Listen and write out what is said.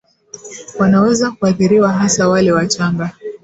wanaweza kuathiriwa hasa wale wachanga